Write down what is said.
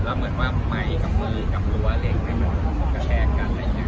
แล้วเหมือนว่าไมค์กับมือกับรั้วเหล็กให้มันกระแทกกันอะไรอย่างนี้